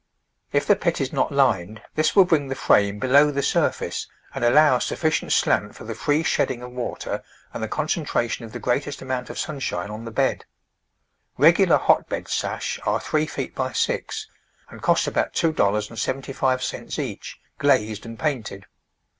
If the pit is not lined, this will bring the frame below the surface and allow a sufficient slant for the free shedding of water and the concentration of the greatest amount of sunshine on the bed. Regular hotbed sash are three feet by six, and cost about two dollars and seventy five cents each, glazed and painted.